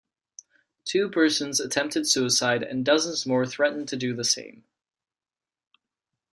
Two persons attempted suicide and dozens more threatened to do the same.